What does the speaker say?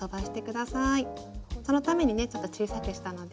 そのためにねちょっと小さくしたので。